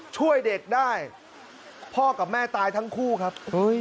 ช่วยเด็กได้พ่อกับแม่ตายทั้งคู่ครับ